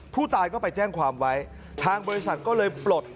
ผู้ตายก็ไปแจ้งความไว้ทางบริษัทก็เลยปลด